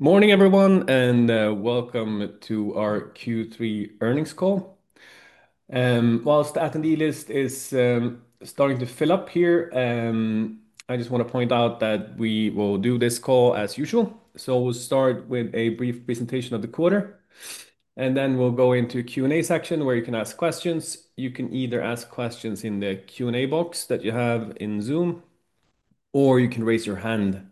In the Q&A box that you have in Zoom, or you can raise your hand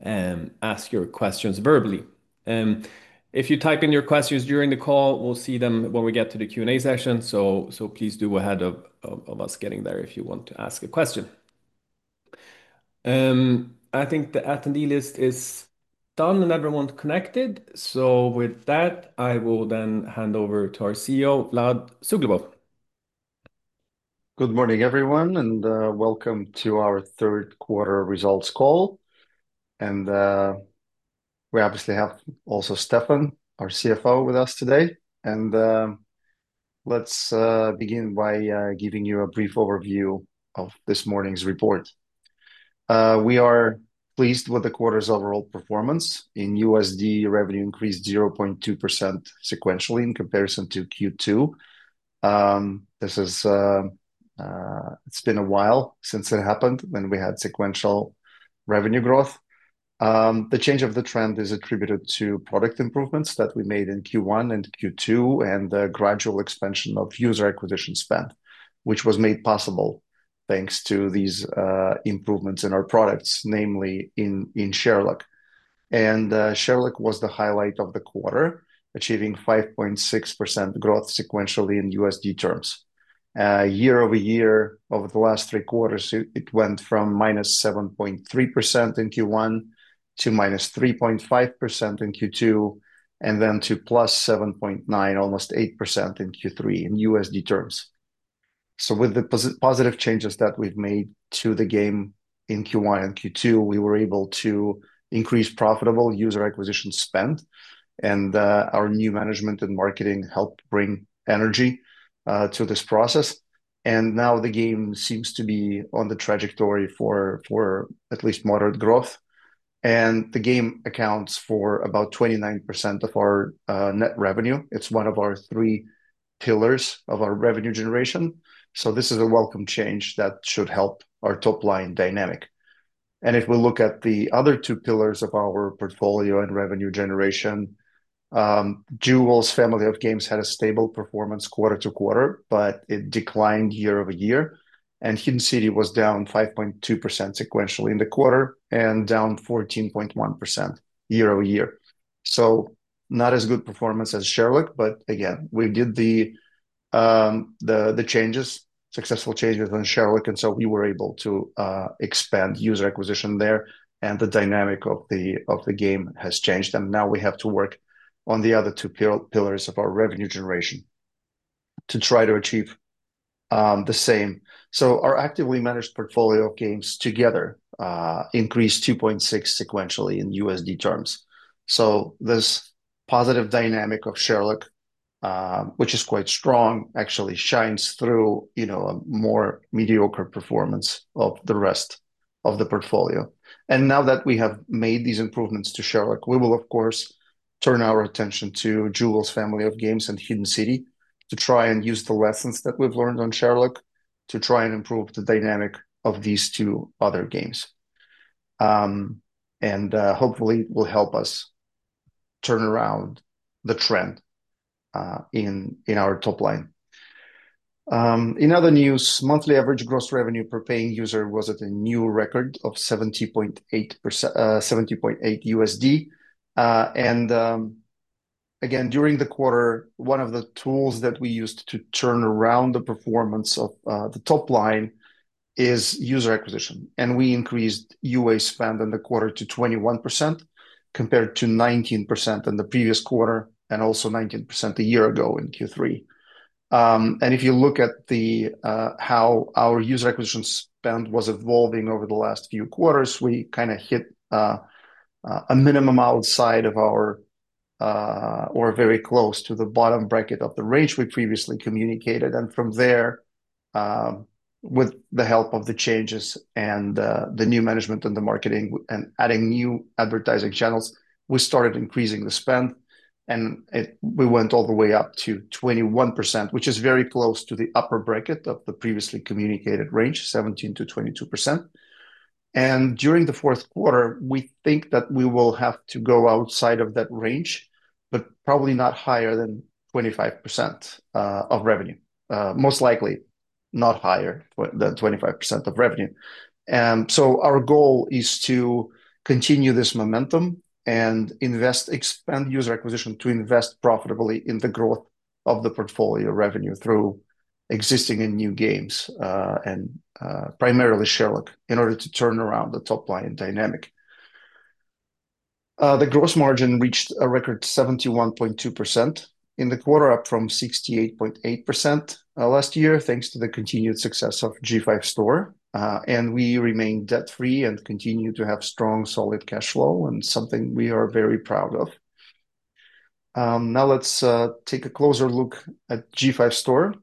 and ask your questions verbally. If you type in your questions during the call, we'll see them when we get to the Q&A session. Please do ahead of us getting there if you want to ask a question. I think the attendee list is done and everyone connected. With that, I will then hand over to our CEO, Vladislav Suglobov. Good morning, everyone, and welcome to our third quarter results call. We obviously have also Stefan, our CFO, with us today. Let's begin by giving you a brief overview of this morning's report. We are pleased with the quarter's overall performance. In USD, revenue increased 0.2% sequentially in comparison to Q2. This is. It's been a while since it happened when we had sequential revenue growth. The change of the trend is attributed to product improvements that we made in Q1 and Q2 and the gradual expansion of user acquisition spend, which was made possible thanks to these improvements in our products, namely in Sherlock. Sherlock was the highlight of the quarter, achieving 5.6% growth sequentially in USD terms. Year-over-year, over the last three quarters, it went from -7.3% in Q1 to -3.5% in Q2, and then to +7.9, almost 8% in Q3 in USD terms. With the positive changes that we've made to the game in Q1 and Q2, we were able to increase profitable user acquisition spend. Our new management and marketing helped bring energy to this process. Now the game seems to be on the trajectory for at least moderate growth. The game accounts for about 29% of our net revenue. It's one of our three pillars of our revenue generation. This is a welcome change that should help our top-line dynamic. If we look at the other two pillars of our portfolio and revenue generation, Jewel's family of games had a stable performance quarter to quarter, but it declined year-over-year. Hidden City was down 5.2% sequentially in the quarter and down 14.1% year-over-year. Not as good performance as Sherlock, but again, we did the changes, successful changes on Sherlock, and so we were able to expand user acquisition there. The dynamic of the game has changed. Now we have to work on the other two pillars of our revenue generation to try to achieve the same. Our actively managed portfolio of games together increased 2.6% sequentially in USD terms. This positive dynamic of Sherlock, which is quite strong, actually shines through a more mediocre performance of the rest of the portfolio. Now that we have made these improvements to Sherlock, we will, of course, turn our attention to Jewel's family of games and Hidden City to try and use the lessons that we've learned on Sherlock to try and improve the dynamic of these two other games. Hopefully, it will help us turn around the trend in our top line. In other news, monthly average gross revenue per paying user was at a new record of $70.8. Again, during the quarter, one of the tools that we used to turn around the performance of the top line is user acquisition. We increased UA spend in the quarter to 21% compared to 19% in the previous quarter and also 19% a year ago in Q3. If you look at how our user acquisition spend was evolving over the last few quarters, we kind of hit a minimum outside of our, or very close to the bottom bracket of the range we previously communicated. From there, with the help of the changes and the new management and the marketing and adding new advertising channels, we started increasing the spend. We went all the way up to 21%, which is very close to the upper bracket of the previously communicated range, 17%-22%. During the fourth quarter, we think that we will have to go outside of that range, but probably not higher than 25% of revenue. Most likely not higher than 25% of revenue. Our goal is to continue this momentum and expand user acquisition to invest profitably in the growth of the portfolio revenue through existing and new games, and primarily Sherlock, in order to turn around the top-line dynamic. The gross margin reached a record 71.2% in the quarter, up from 68.8% last year thanks to the continued success of G5 Store. We remain debt-free and continue to have strong, solid cash flow, and something we are very proud of. Now let's take a closer look at G5 Store,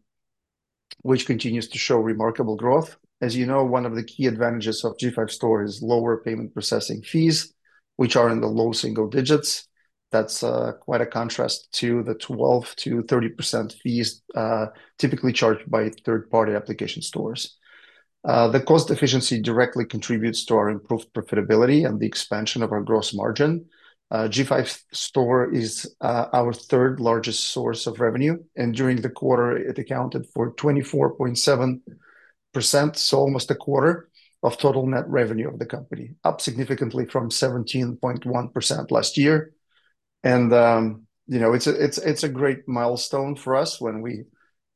which continues to show remarkable growth. As you know, one of the key advantages of G5 Store is lower payment processing fees, which are in the low single digits. That is quite a contrast to the 12%-30% fees typically charged by third-party application stores. The cost efficiency directly contributes to our improved profitability and the expansion of our gross margin. G5 Store is our third largest source of revenue. During the quarter, it accounted for 24.7%, so almost a quarter of total net revenue of the company, up significantly from 17.1% last year. It is a great milestone for us. When we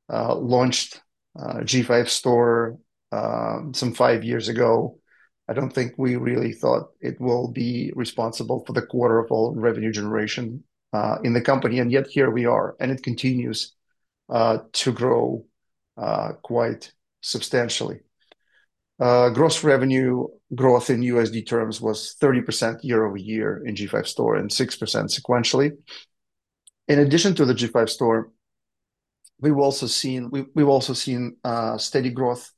launched G5 Store some five years ago, I do not think we really thought it would be responsible for the quarter of all revenue generation in the company. Yet here we are, and it continues to grow quite substantially. Gross revenue growth in USD terms was 30% year- over-year in G5 Store and 6% sequentially. In addition to the G5 Store, we have also seen steady growth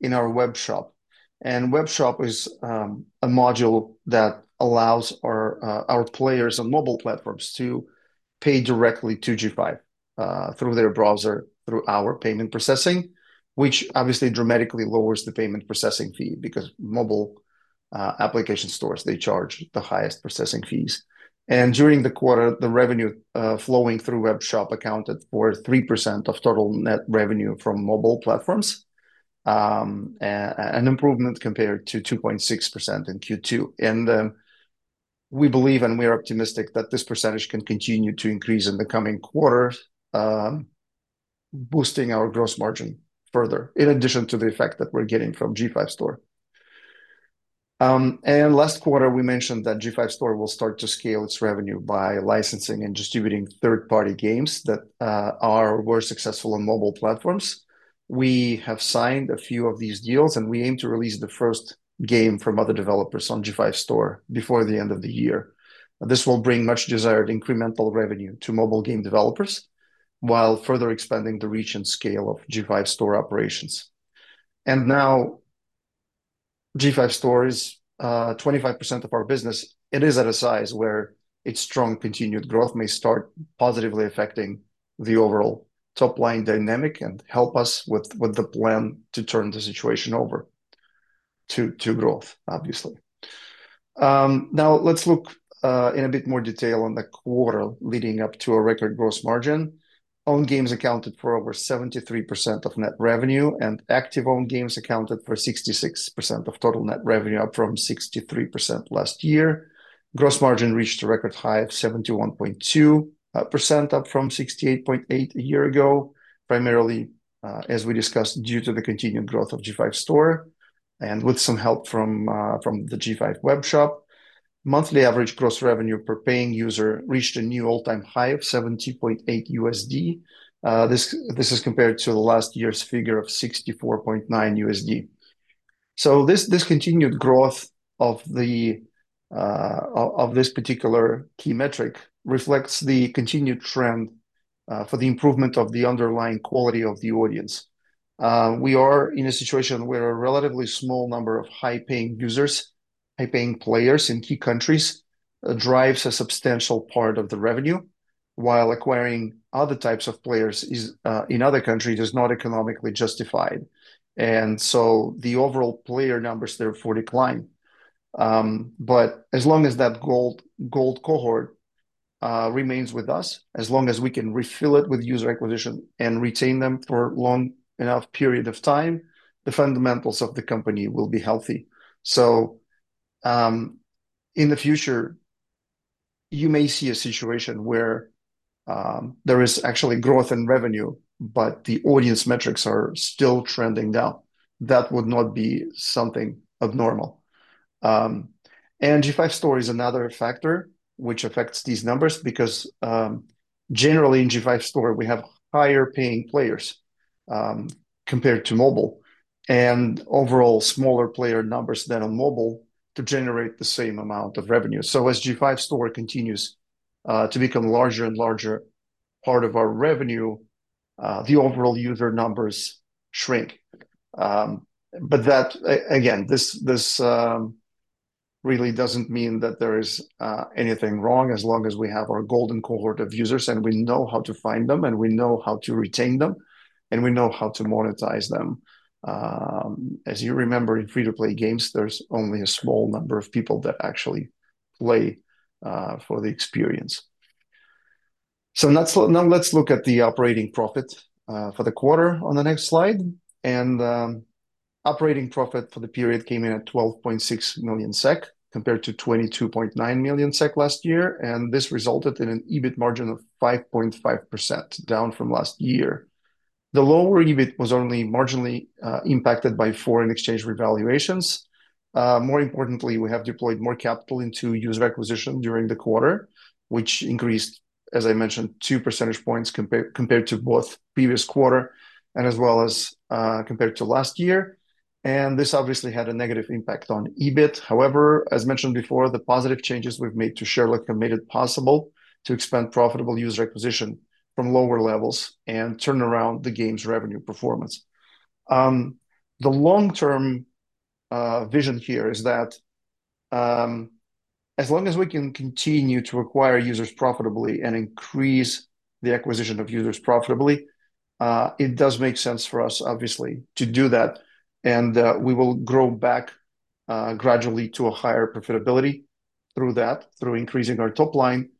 in our web shop. Web shop is a module that allows our players on mobile platforms to pay directly to G5 through their browser, through our payment processing, which obviously dramatically lowers the payment processing fee because mobile application stores charge the highest processing fees. During the quarter, the revenue flowing through web shop accounted for 3% of total net revenue from mobile platforms, an improvement compared to 2.6% in Q2. We believe and we are optimistic that this percentage can continue to increase in the coming quarter, boosting our gross margin further, in addition to the effect that we're getting from G5 Store. Last quarter, we mentioned that G5 Store will start to scale its revenue by licensing and distributing third-party games that are more successful on mobile platforms. We have signed a few of these deals, and we aim to release the first game from other developers on G5 Store before the end of the year. This will bring much-desired incremental revenue to mobile game developers while further expanding the reach and scale of G5 Store operations. Now, G5 Store is 25% of our business. It is at a size where its strong continued growth may start positively affecting the overall top-line dynamic and help us with the plan to turn the situation over to growth, obviously. Now, let's look in a bit more detail on the quarter leading up to a record gross margin. Owned games accounted for over 73% of net revenue, and active owned games accounted for 66% of total net revenue, up from 63% last year. Gross margin reached a record high of 71.2%, up from 68.8% a year ago, primarily, as we discussed, due to the continued growth of G5 Store and with some help from the G5 Web Shop. Monthly average gross revenue per paying user reached a new all-time high of $70.8. This is compared to last year's figure of $64.9. This continued growth of this particular key metric reflects the continued trend for the improvement of the underlying quality of the audience. We are in a situation where a relatively small number of high-paying users, high-paying players in key countries, drives a substantial part of the revenue, while acquiring other types of players in other countries is not economically justified. The overall player numbers therefore decline. As long as that gold cohort remains with us, as long as we can refill it with user acquisition and retain them for a long enough period of time, the fundamentals of the company will be healthy. In the future, you may see a situation where there is actually growth in revenue, but the audience metrics are still trending down. That would not be something abnormal. G5 Store is another factor which affects these numbers because generally in G5 Store, we have higher paying players compared to mobile and overall smaller player numbers than on mobile to generate the same amount of revenue. As G5 Store continues to become a larger and larger part of our revenue, the overall user numbers shrink. Again, this really doesn't mean that there is anything wrong as long as we have our golden cohort of users and we know how to find them and we know how to retain them and we know how to monetize them. As you remember, in free-to-play games, there's only a small number of people that actually play for the experience. Now let's look at the operating profit for the quarter on the next slide. Operating profit for the period came in at 12.6 million SEK compared to 22.9 million SEK last year. This resulted in an EBIT margin of 5.5%, down from last year. The lower EBIT was only marginally impacted by foreign exchange revaluations. More importantly, we have deployed more capital into user acquisition during the quarter, which increased, as I mentioned, two percentage points compared to both previous quarter and as well as compared to last year. This obviously had a negative impact on EBIT. However, as mentioned before, the positive changes we've made to Sherlock have made it possible to expand profitable user acquisition from lower levels and turn around the game's revenue performance. The long-term vision here is that as long as we can continue to acquire users profitably and increase the acquisition of users profitably, it does make sense for us, obviously, to do that. We will grow back gradually to a higher profitability through that, through increasing our top line.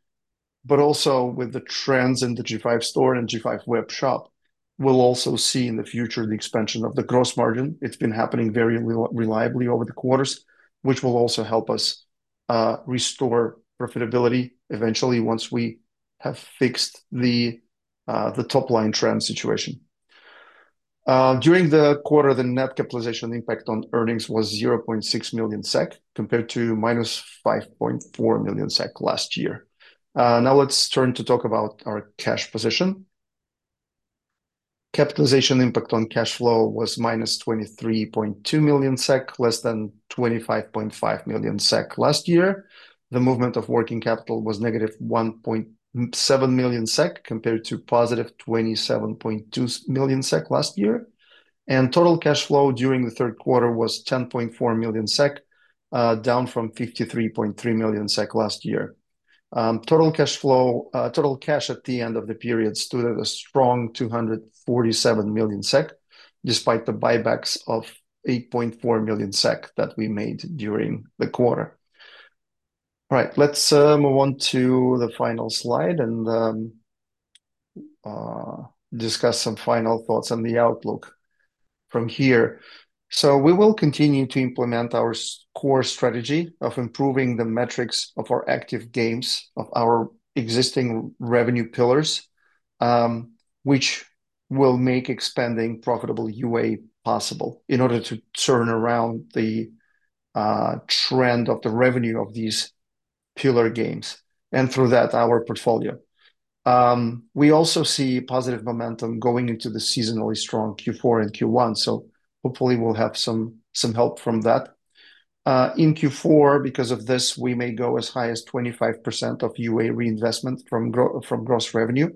Also, with the trends in the G5 Store and G5 Web Shop, we'll also see in the future the expansion of the gross margin. It's been happening very reliably over the quarters, which will also help us restore profitability eventually once we have fixed the top-line trend situation. During the quarter, the net capitalization impact on earnings was 0.6 million SEK compared to -5.4 million SEK last year. Now let's turn to talk about our cash position. Capitalization impact on cash flow was -23.2 million SEK, less than 25.5 million SEK last year. The movement of working capital was negative 1.7 million SEK compared to positive 27.2 million SEK last year. Total cash flow during the third quarter was 10.4 million SEK, down from 53.3 million SEK last year. Total cash at the end of the period stood at a strong 247 million SEK, despite the buybacks of 8.4 million SEK that we made during the quarter. Let's move on to the final slide and discuss some final thoughts on the outlook from here. We will continue to implement our core strategy of improving the metrics of our active games, of our existing revenue pillars, which will make expanding profitable UA possible in order to turn around the trend of the revenue of these pillar games and through that, our portfolio. We also see positive momentum going into the seasonally strong Q4 and Q1. Hopefully, we'll have some help from that. In Q4, because of this, we may go as high as 25% of UA reinvestment from gross revenue.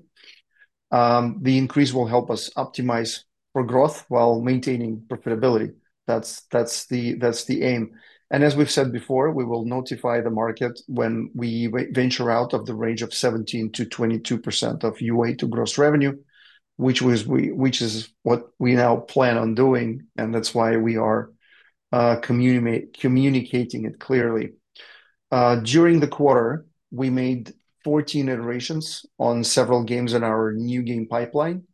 The increase will help us optimize for growth while maintaining profitability. That's the aim. As we have said before, we will notify the market when we venture out of the range of 17%-22% of UA to gross revenue, which is what we now plan on doing. That is why we are communicating it clearly. During the quarter, we made 14 iterations on several games in our new game pipeline.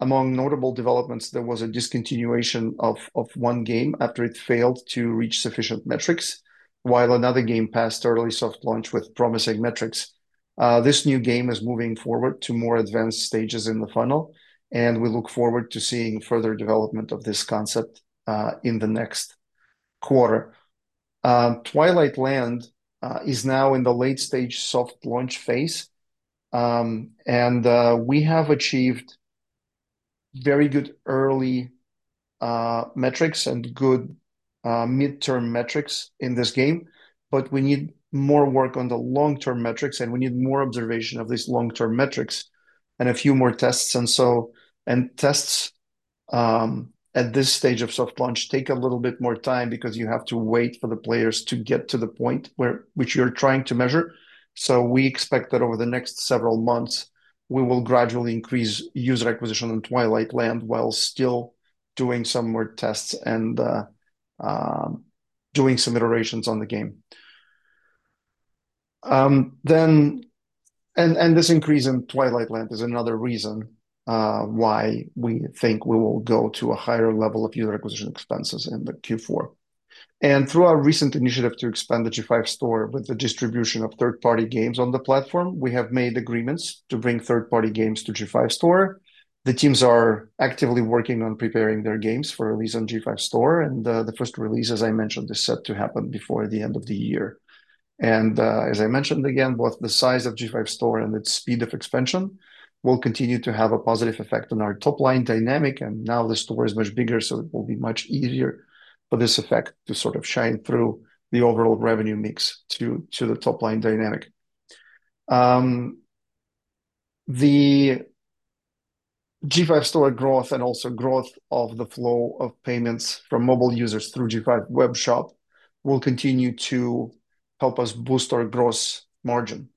Among notable developments, there was a discontinuation of one game after it failed to reach sufficient metrics, while another game passed early soft launch with promising metrics. This new game is moving forward to more advanced stages in the funnel, and we look forward to seeing further development of this concept in the next quarter. Twilight Land is now in the late-stage soft launch phase. We have achieved very good early metrics and good mid-term metrics in this game, but we need more work on the long-term metrics, and we need more observation of these long-term metrics and a few more tests. At this stage of soft launch, tests take a little bit more time because you have to wait for the players to get to the point which you are trying to measure. We expect that over the next several months, we will gradually increase user acquisition in Twilight Land while still doing some more tests and doing some iterations on the game. This increase in Twilight Land is another reason why we think we will go to a higher level of user acquisition expenses in Q4. Through our recent initiative to expand the G5 Store with the distribution of third-party games on the platform, we have made agreements to bring third-party games to G5 Store. The teams are actively working on preparing their games for release on G5 Store, and the first release, as I mentioned, is set to happen before the end of the year. As I mentioned again, both the size of G5 Store and its speed of expansion will continue to have a positive effect on our top-line dynamic. Now the store is much bigger, so it will be much easier for this effect to sort of shine through the overall revenue mix to the top-line dynamic. G5 Store growth and also growth of the flow of payments from mobile users through G5 Web Shop will continue to help us boost our gross margin.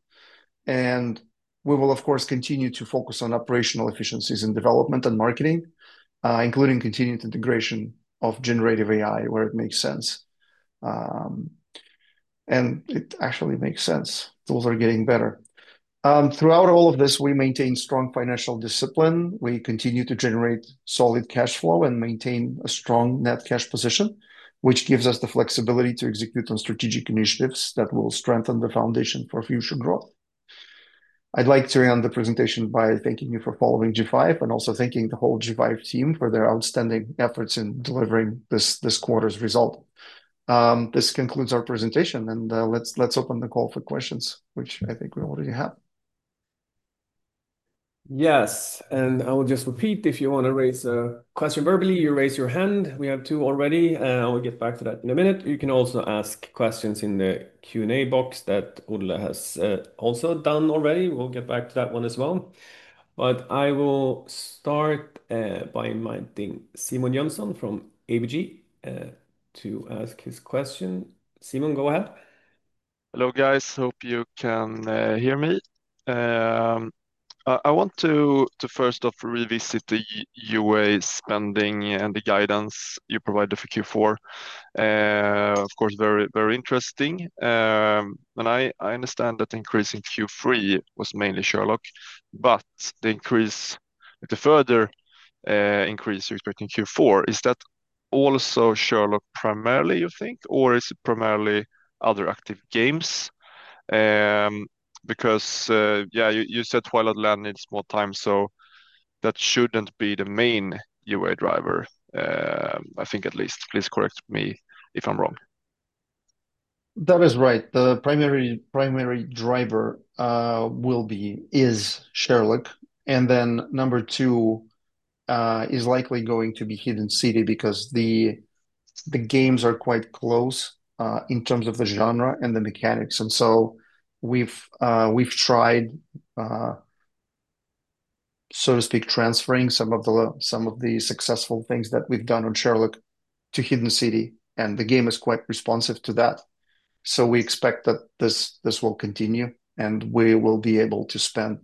We will, of course, continue to focus on operational efficiencies in development and marketing, including continued integration of generative AI where it makes sense. It actually makes sense. Tools are getting better. Throughout all of this, we maintain strong financial discipline. We continue to generate solid cash flow and maintain a strong net cash position, which gives us the flexibility to execute on strategic initiatives that will strengthen the foundation for future growth. I would like to end the presentation by thanking you for following G5 and also thanking the whole G5 team for their outstanding efforts in delivering this quarter's result. This concludes our presentation, and let's open the call for questions, which I think we already have. Yes. I will just repeat, if you want to raise a question verbally, you raise your hand. We have two already, and we'll get back to that in a minute. You can also ask questions in the Q&A box that Ulla has also done already. We'll get back to that one as well. I will start by inviting Simon Jönsson from ABG to ask his question. Simon, go ahead. Hello, guys hope you can hear me. I want to first off revisit the UA spending and the guidance you provided for Q4. Of course, very interesting. I understand that the increase in Q3 was mainly Sherlock, but the further increase you expect in Q4, is that also Sherlock primarily, you think, or is it primarily other active games? Because, yeah, you said Twilight Land needs more time, so that shouldn't be the main UA driver. I think at least. Please correct me if I'm wrong. That is right. The primary driver will be Sherlock. Number two is likely going to be Hidden City because the games are quite close in terms of the genre and the mechanics. We have tried, so to speak, transferring some of the successful things that we've done on Sherlock to Hidden City, and the game is quite responsive to that. We expect that this will continue, and we will be able to spend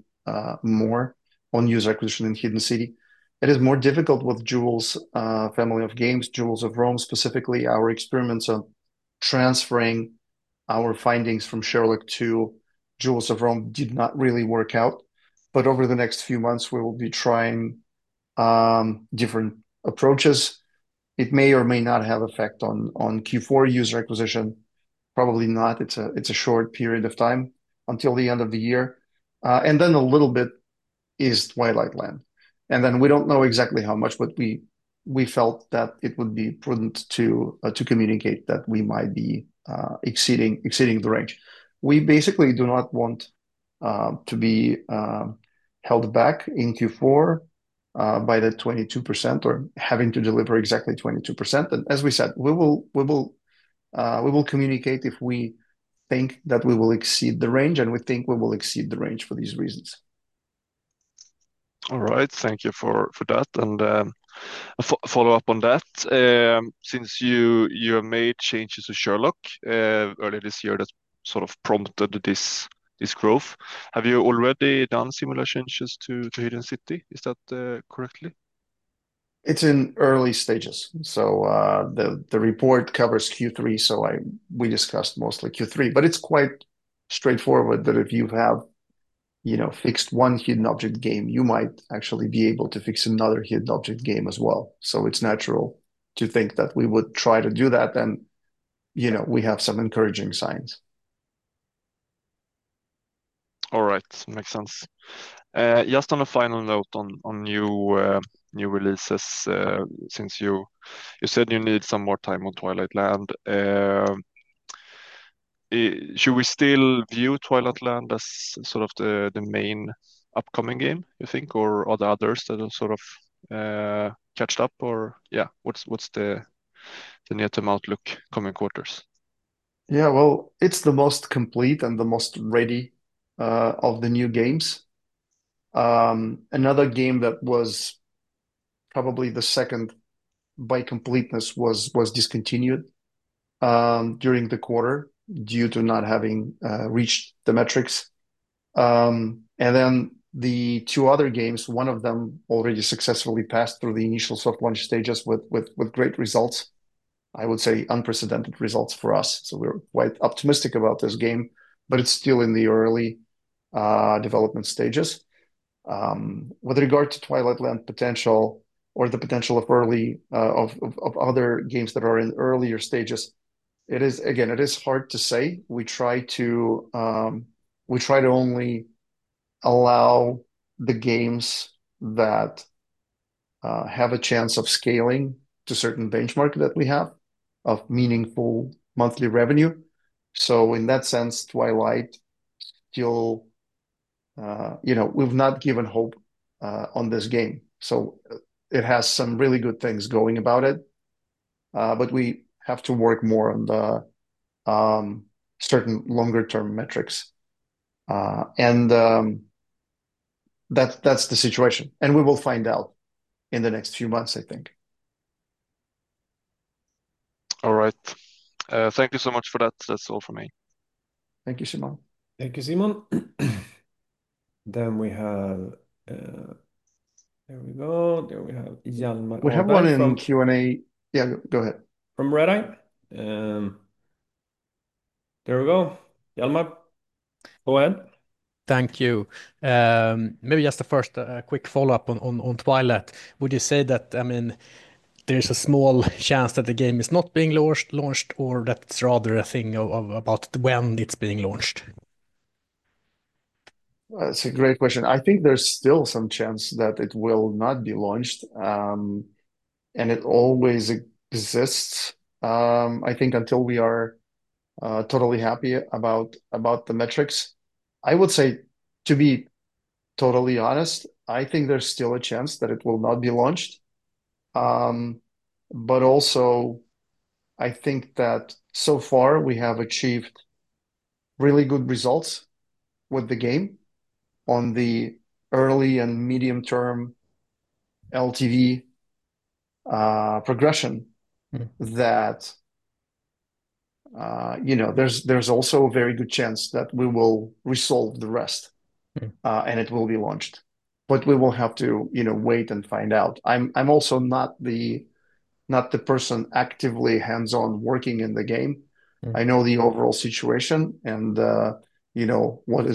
more on user acquisition in Hidden City. It is more difficult with Jewels Family of Games, Jewels of Rome specifically. Our experiments on transferring our findings from Sherlock to Jewels of Rome did not really work out. Over the next few months, we will be trying different approaches. It may or may not have effect on Q4 user acquisition, probably not. It's a short period of time until the end of the year. A little bit is Twilight Land. We don't know exactly how much, but we felt that it would be prudent to communicate that we might be exceeding the range. We basically do not want to be held back in Q4 by the 22% or having to deliver exactly 22%. As we said, we will communicate if we think that we will exceed the range, and we think we will exceed the range for these reasons. All right. Thank you for that. Follow up on that. Since you have made changes to Sherlock earlier this year that sort of prompted this growth, have you already done similar changes to Hidden City? Is that correctly? It's in early stages. The report covers Q3, so we discussed mostly Q3. It's quite straightforward that if you have fixed one hidden object game, you might actually be able to fix another hidden object game as well. It's natural to think that we would try to do that, and. We have some encouraging signs. All right. Makes sense. Just on a final note on new releases, since you said you need some more time on Twilight Land. Should we still view Twilight Land as sort of the main upcoming game, you think, or are there others that have sort of caught up? Or yeah, what's the net-to-mount look coming quarters? Yeah, it is the most complete and the most ready of the new games. Another game that was probably the second by completeness was discontinued during the quarter due to not having reached the metrics. And then the two other games, one of them already successfully passed through the initial soft launch stages with great results. I would say unprecedented results for us. So we are quite optimistic about this game, but it is still in the early development stages. With regard to Twilight Land potential or the potential of other games that are in earlier stages, again, it is hard to say. We try to only allow the games that have a chance of scaling to certain benchmarks that we have of meaningful monthly revenue. In that sense, Twilight still, we have not given up hope on this game. It has some really good things going about it, but we have to work more on certain longer-term metrics. That is the situation, and we will find out in the next few months, I think. All right. Thank you so much for that. That is all for me. Thank you, Simon. Thank you, Simon. There we go. There we have Hjalmar. We have one in Q&A. Yeah, go ahead. From Redeye. There we go. Hjalmar, go ahead. Thank you. Maybe just a first quick follow-up on Twilight. Would you say that, I mean, there is a small chance that the game is not being launched or that it is rather a thing about when it is being launched? That is a great question. I think there is still some chance that it will not be launched. It always exists, I think, until we are totally happy about the metrics. I would say, to be totally honest, I think there is still a chance that it will not be launched. Also, I think that so far we have achieved really good results with the game on the early and medium-term LTV progression. There is also a very good chance that we will resolve the rest and it will be launched. We will have to wait and find out. I am also not the person actively hands-on working in the game. I know the overall situation and what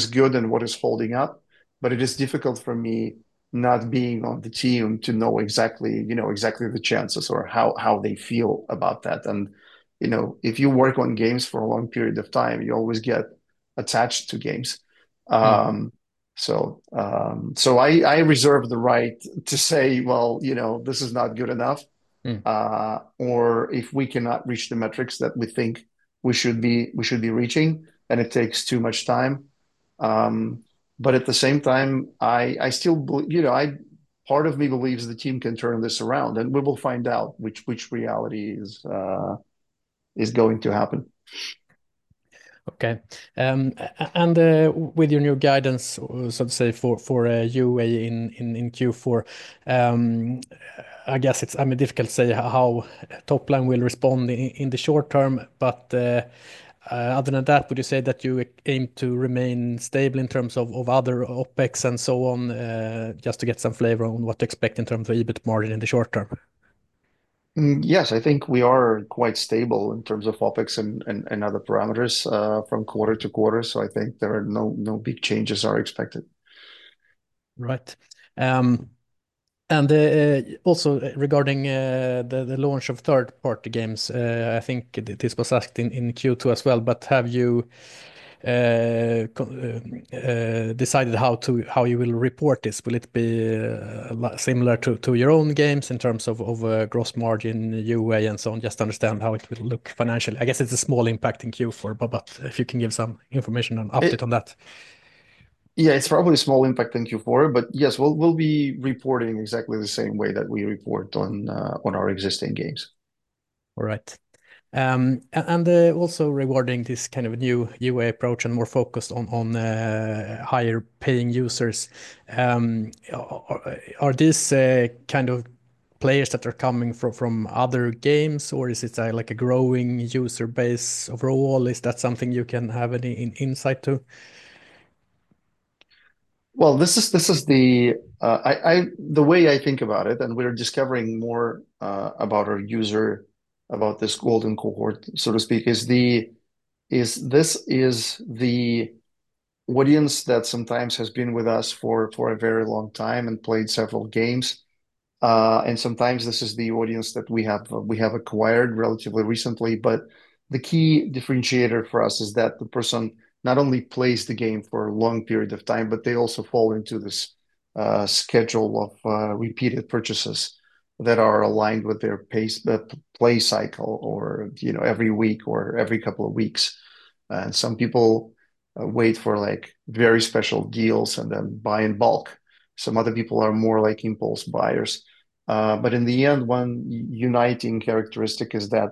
is good and what is holding up, but it is difficult for me, not being on the team, to know exactly the chances or how they feel about that. If you work on games for a long period of time, you always get attached to games. So. I reserve the right to say, "Well, this is not good enough." Or if we cannot reach the metrics that we think we should be reaching, and it takes too much time. At the same time, I still, part of me believes the team can turn this around, and we will find out which reality is going to happen. Okay. With your new guidance, so to say, for UA in Q4, I guess it's difficult to say how Topline will respond in the short term. Other than that, would you say that you aim to remain stable in terms of other OpEx and so on, just to get some flavor on what to expect in terms of EBIT margin in the short term? Yes, I think we are quite stable in terms of OpEx and other parameters from quarter to quarter. I think there are no big changes that are expected. Right. Also regarding the launch of third-party games, I think this was asked in Q2 as well, but have you decided how you will report this? Will it be similar to your own games in terms of gross margin, UA, and so on? Just to understand how it will look financially. I guess it's a small impact in Q4, but if you can give some information and update on that. Yeah, it's probably a small impact in Q4, but yes, we'll be reporting exactly the same way that we report on our existing games. All right. Also regarding this kind of new UA approach and more focused on higher-paying users, are these kind of players that are coming from other games, or is it like a growing user base overall? Is that something you can have any insight to? This is the way I think about it, and we're discovering more about our user, about this golden cohort, so to speak. This is the audience that sometimes has been with us for a very long time and played several games. Sometimes this is the audience that we have acquired relatively recently. The key differentiator for us is that the person not only plays the game for a long period of time, but they also fall into this schedule of repeated purchases that are aligned with their play cycle or every week or every couple of weeks. Some people wait for very special deals and then buy in bulk. Some other people are more like impulse buyers. In the end, one uniting characteristic is that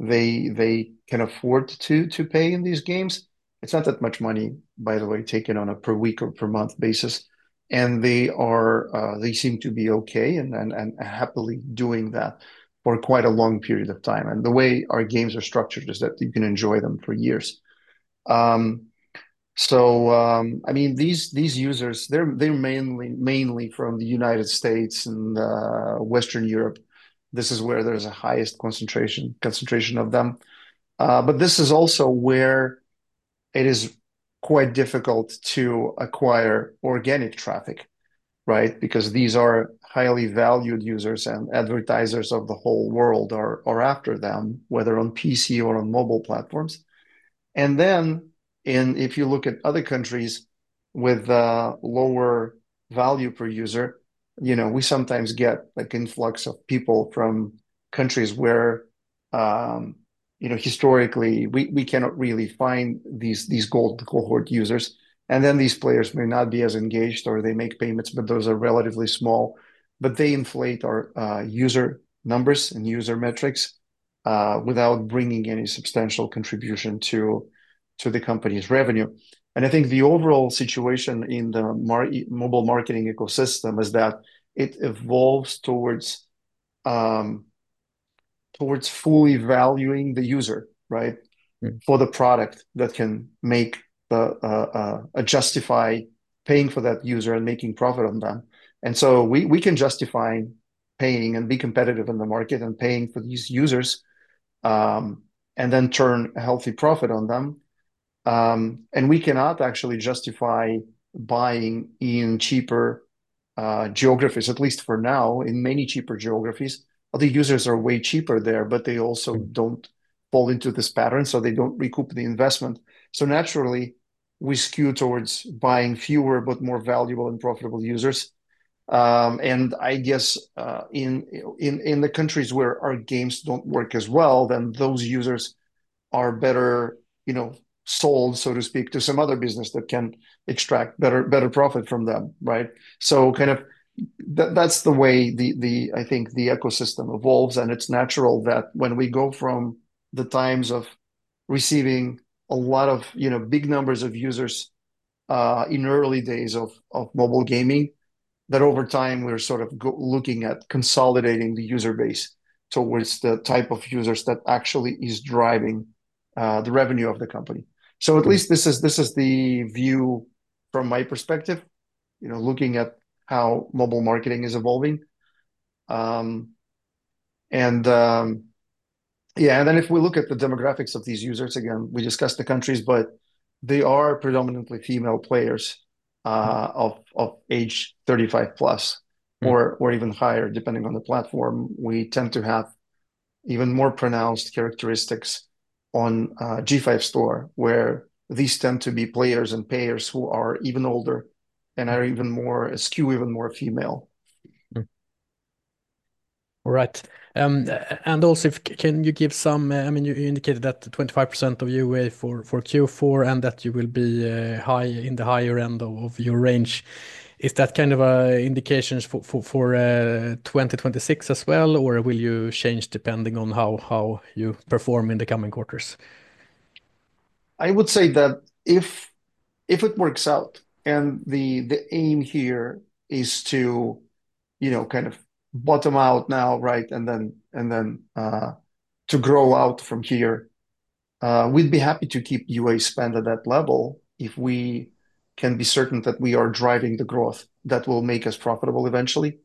they can afford to pay in these games. It's not that much money, by the way, taken on a per-week or per-month basis. They seem to be okay and happily doing that for quite a long period of time. The way our games are structured is that you can enjoy them for years. I mean, these users, they're mainly from the United States and Western Europe. This is where there is a highest concentration of them. This is also where it is quite difficult to acquire organic traffic, right? Because these are highly valued users, and advertisers of the whole world are after them, whether on PC or on mobile platforms. If you look at other countries with lower value per user, we sometimes get an influx of people from countries where historically, we cannot really find these gold cohort users. These players may not be as engaged or they make payments, but those are relatively small. They inflate our user numbers and user metrics without bringing any substantial contribution to the company's revenue. I think the overall situation in the mobile marketing ecosystem is that it evolves towards fully valuing the user, right, for the product that can justify paying for that user and making profit on them. We can justify paying and be competitive in the market and paying for these users, and then turn a healthy profit on them. We cannot actually justify buying in cheaper geographies, at least for now. In many cheaper geographies, the users are way cheaper there, but they also do not fall into this pattern, so they do not recoup the investment. Naturally, we skew towards buying fewer but more valuable and profitable users. I guess in the countries where our games do not work as well, then those users are better sold, so to speak, to some other business that can extract better profit from them, right? That is the way, I think, the ecosystem evolves. It is natural that when we go from the times of receiving a lot of big numbers of users in early days of mobile gaming, that over time, we are sort of looking at consolidating the user base towards the type of users that actually is driving the revenue of the company. At least this is the view from my perspective, looking at how mobile marketing is evolving. Yeah, and then if we look at the demographics of these users, again, we discussed the countries, but they are predominantly female players of age 35+ or even higher, depending on the platform. We tend to have even more pronounced characteristics on G5 Store, where these tend to be players and payers who are even older and are even more skew even more female, right. Also, can you give some—I mean, you indicated that 25% of UA for Q4 and that you will be in the higher end of your range. Is that kind of an indication for 2026 as well, or will you change depending on how you perform in the coming quarters? I would say that if it works out and the aim here is to kind of bottom out now, right, and then to grow out from here. We'd be happy to keep UA spend at that level if we can be certain that we are driving the growth that will make us profitable eventually.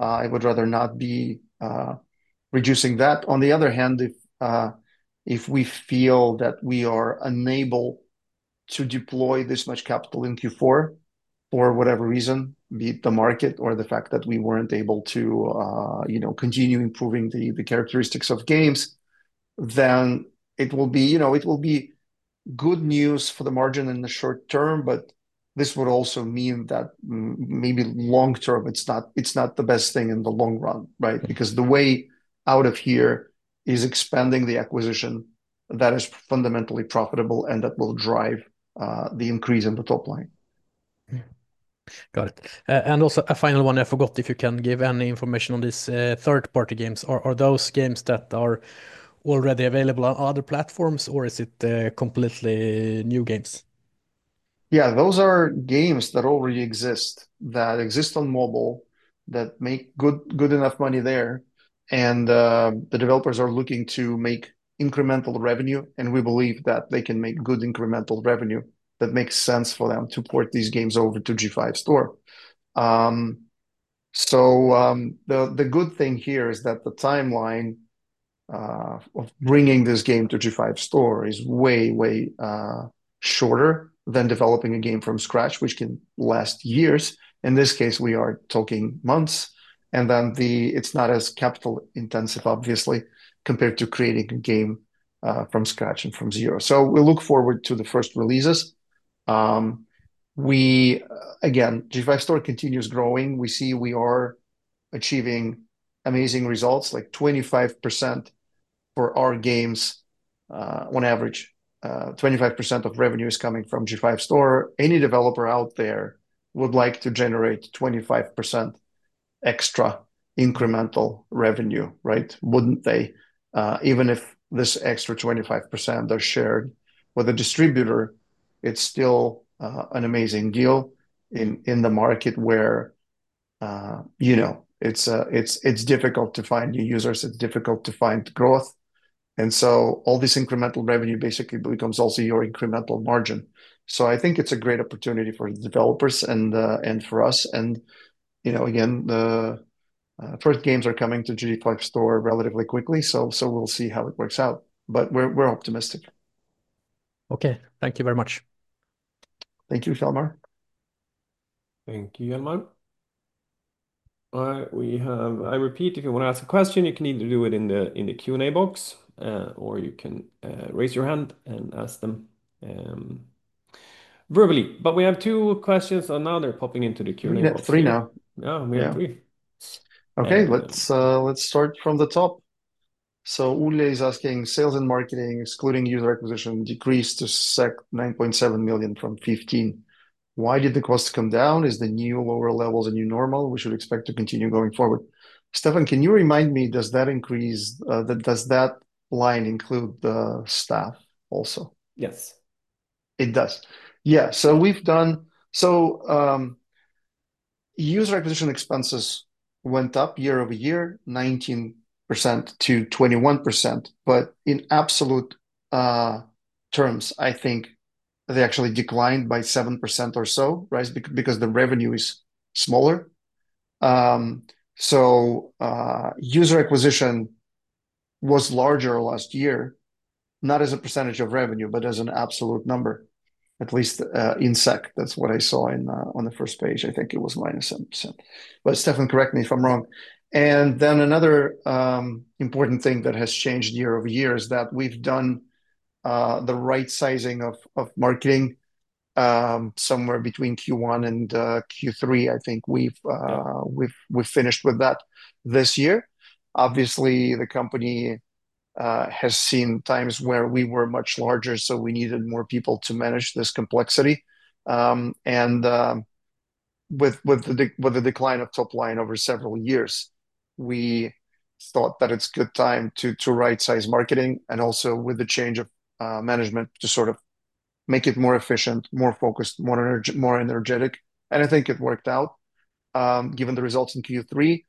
I would rather not be reducing that. On the other hand, if we feel that we are unable to deploy this much capital in Q4 for whatever reason, be it the market or the fact that we weren't able to continue improving the characteristics of games, then it will be good news for the margin in the short term, but this would also mean that maybe long-term, it's not the best thing in the long run, right? Because the way out of here is expanding the acquisition that is fundamentally profitable and that will drive the increase in the top line. Got it. And also a final one, I forgot if you can give any information on these third-party games. Are those games that are already available on other platforms, or is it completely new games? Yeah, those are games that already exist, that exist on mobile, that make good enough money there. And the developers are looking to make incremental revenue. And we believe that they can make good incremental revenue that makes sense for them to port these games over to G5 Store. The good thing here is that the timeline of bringing this game to G5 Store is way, way shorter than developing a game from scratch, which can last years. In this case, we are talking months. And then it's not as capital-intensive, obviously, compared to creating a game from scratch and from zero. We look forward to the first releases. Again, G5 Store continues growing. We see we are achieving amazing results, like 25%. For our games, on average, 25% of revenue is coming from G5 Store. Any developer out there would like to generate 25% extra incremental revenue, right? Wouldn't they? Even if this extra 25% are shared with a distributor, it's still an amazing deal in the market where it's difficult to find new users. It's difficult to find growth. All this incremental revenue basically becomes also your incremental margin. I think it's a great opportunity for the developers and for us. Again, first games are coming to G5 Store relatively quickly, so we'll see how it works out. We're optimistic. Okay.Thank you very much. Thank you, Hjalmar. Thank you, Hjalmar. All right. I repeat, if you want to ask a question, you can either do it in the Q&A box, or you can raise your hand and ask them verbally. We have two questions on now. They're popping into the Q&A box. We have three now. Oh, we have three. Okay. Let's start from the top. Ule is asking, "Sales and marketing, excluding user acquisition, decreased to 9.7 million from 15. Why did the cost come down? Is the new lower level the new normal? We should expect to continue going forward. Stefan, can you remind me, does that increase, does that line include the staff also? Yes. It does. Yeah. User acquisition expenses went up year-over-year, 19% to 21%. In absolute terms, I think they actually declined by 7% or so, right? Because the revenue is smaller. User acquisition was larger last year, not as a percentage of revenue, but as an absolute number, at least in SEK. That's what I saw on the first page. I think it was -7%. Stefan, correct me if I'm wrong. Another important thing that has changed year-over-year is that we've done the right sizing of marketing. Somewhere between Q1 and Q3. I think we've finished with that this year. Obviously, the company has seen times where we were much larger, so we needed more people to manage this complexity. With the decline of Topline over several years, we thought that it's a good time to right-size marketing and also with the change of management to sort of make it more efficient, more focused, more energetic. I think it worked out. Given the results in Q3.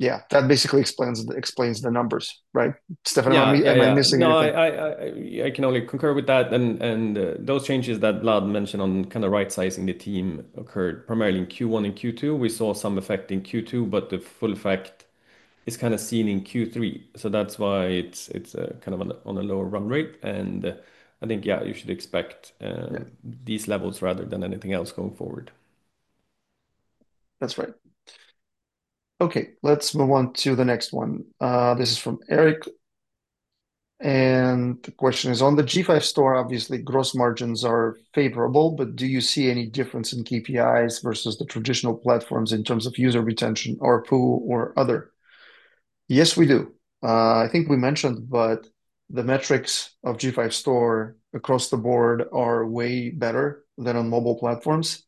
That basically explains the numbers, right? Stefan, am I missing anything? I can only concur with that. Those changes that Vlad mentioned on kind of right-sizing the team occurred primarily in Q1 and Q2. We saw some effect in Q2, but the full effect is kind of seen in Q3. That's why it's kind of on a lower run rate. I think, yeah, you should expect these levels rather than anything else going forward. That's right. Okay. Let's move on to the next one. This is from Erik. The question is, "On the G5 Store, obviously, gross margins are favorable, but do you see any difference in KPIs versus the traditional platforms in terms of user retention or pool or other?" Yes, we do. I think we mentioned, but the metrics of G5 Store across the board are way better than on mobile platforms.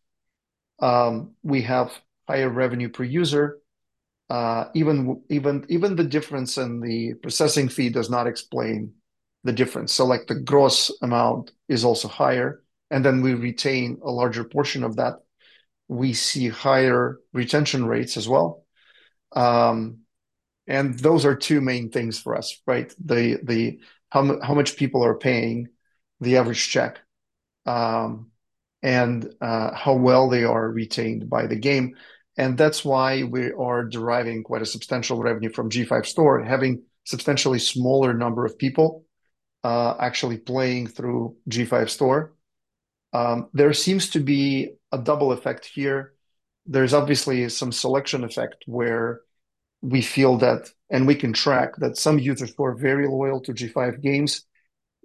We have higher revenue per user. Even the difference in the processing fee does not explain the difference. The gross amount is also higher. We retain a larger portion of that. We see higher retention rates as well. Those are two main things for us, right? How much people are paying, the average check, and how well they are retained by the game. That's why we are deriving quite a substantial revenue from G5 Store, having a substantially smaller number of people actually playing through G5 Store. There seems to be a double effect here. There's obviously some selection effect where we feel that, and we can track that some users who are very loyal to G5 games,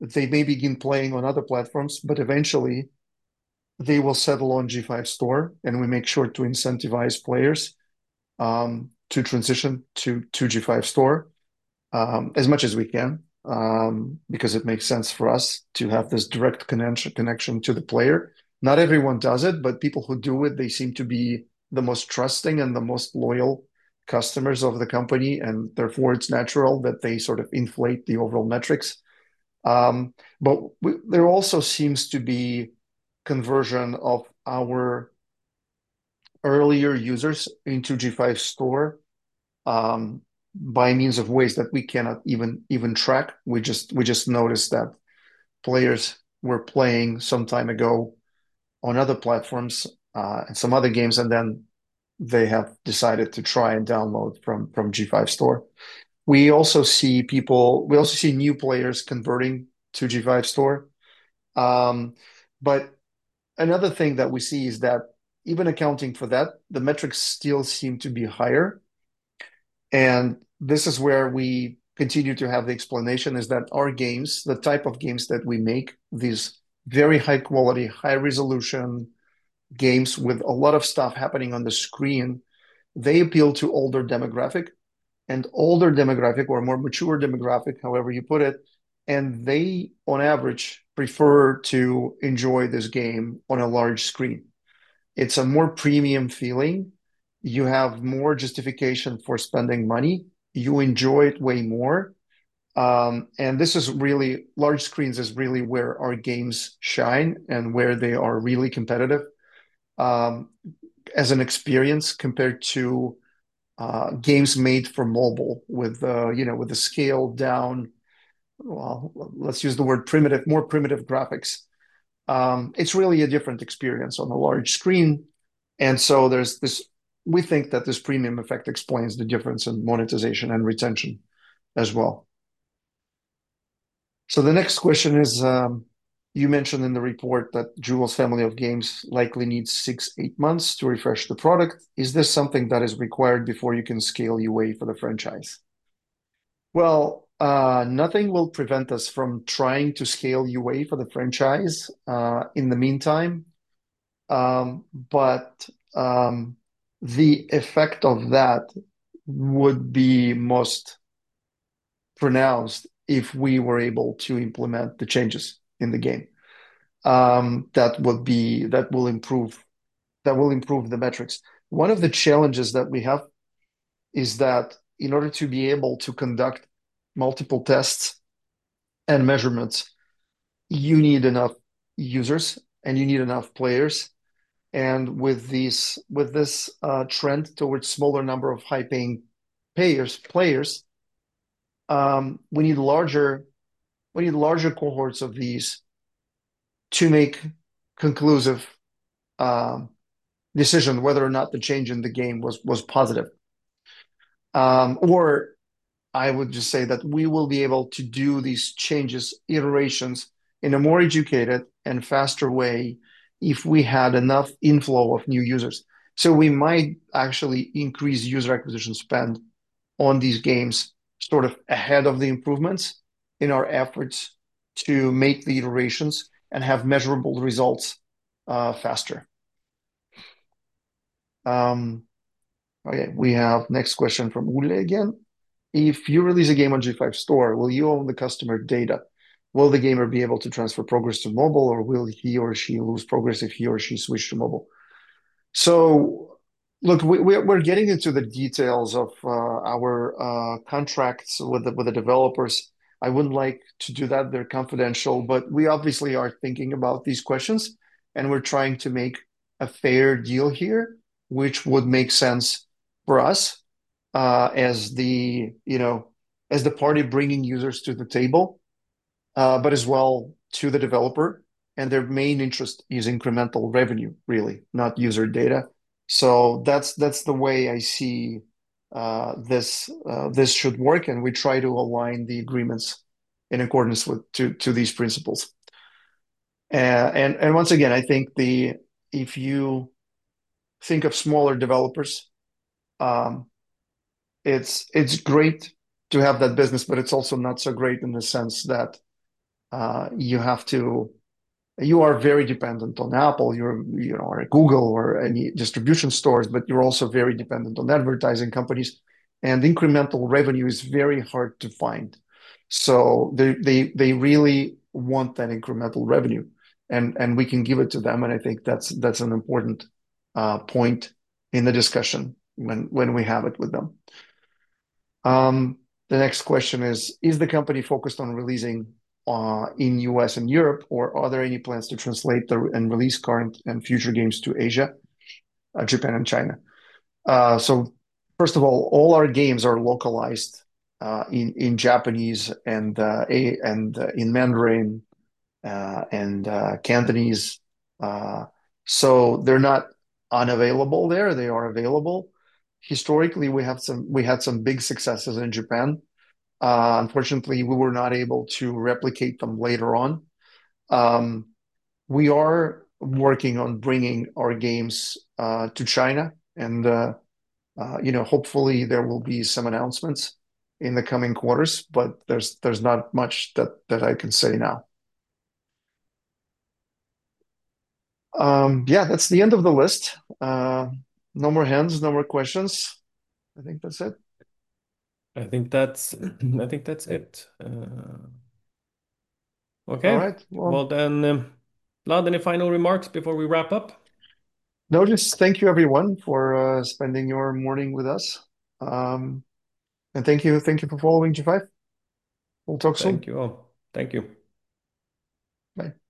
they may begin playing on other platforms, but eventually they will settle on G5 Store. We make sure to incentivize players. To transition to G5 Store as much as we can, because it makes sense for us to have this direct connection to the player. Not everyone does it, but people who do it, they seem to be the most trusting and the most loyal customers of the company. Therefore, it's natural that they sort of inflate the overall metrics. There also seems to be conversion of our earlier users into G5 Store by means of ways that we cannot even track. We just noticed that players were playing some time ago on other platforms and some other games, and then they have decided to try and download from G5 Store. We also see people, we also see new players converting to G5 Store. Another thing that we see is that even accounting for that, the metrics still seem to be higher. This is where we continue to have the explanation, is that our games, the type of games that we make, these very high-quality, high-resolution games with a lot of stuff happening on the screen, they appeal to older demographic and older demographic or more mature demographic, however you put it. They, on average, prefer to enjoy this game on a large screen. It's a more premium feeling. You have more justification for spending money. You enjoy it way more. This is really large screens is really where our games shine and where they are really competitive as an experience compared to games made for mobile with the scale down, well, let's use the word primitive, more primitive graphics. It's really a different experience on a large screen. We think that this premium effect explains the difference in monetization and retention as well. The next question is, you mentioned in the report that Jewels family of games likely needs six-eight months to refresh the product. Is this something that is required before you can scale away for the franchise? Nothing will prevent us from trying to scale away for the franchise in the meantime. The effect of that would be most pronounced if we were able to implement the changes in the game that will improve the metrics. One of the challenges that we have is that in order to be able to conduct multiple tests and measurements, you need enough users and you need enough players. With this trend towards a smaller number of high-paying players, we need larger cohorts of these to make conclusive decisions whether or not the change in the game was positive. I would just say that we will be able to do these changes, iterations in a more educated and faster way if we had enough inflow of new users. We might actually increase user acquisition spend on these games sort of ahead of the improvements in our efforts to make the iterations and have measurable results faster. Okay. We have the next question from Ule again. "If you release a game on G5 Store, will you own the customer data? Will the gamer be able to transfer progress to mobile, or will he or she lose progress if he or she switched to mobile?" Look, we're getting into the details of our contracts with the developers. I wouldn't like to do that. They're confidential. We obviously are thinking about these questions, and we're trying to make a fair deal here, which would make sense for us as the party bringing users to the table, but as well to the developer. Their main interest is incremental revenue, really, not user data. That's the way I see this should work. We try to align the agreements in accordance with these principles. Once again, I think if you think of smaller developers, it's great to have that business, but it's also not so great in the sense that you are very dependent on Apple or Google or any distribution stores, but you're also very dependent on advertising companies. Incremental revenue is very hard to find. They really want that incremental revenue, and we can give it to them. I think that's an important point in the discussion when we have it with them. The next question is, "Is the company focused on releasing in the U.S. and Europe, or are there any plans to translate and release current and future games to Asia, Japan, and China?" First of all, all our games are localized in Japanese and in Mandarin and Cantonese, so they're not unavailable there. They are available. Historically, we had some big successes in Japan. Unfortunately, we were not able to replicate them later on. We are working on bringing our games to China. Hopefully, there will be some announcements in the coming quarters, but there's not much that I can say now. Yeah, that's the end of the list. No more hands, no more questions. I think that's it. I think that's it. Okay. All right. Vladislav, any final remarks before we wrap up? No, just thank you, everyone, for spending your morning with us. Thank you for following G5. We'll talk soon. Thank you all. Thank you. Bye. Bye.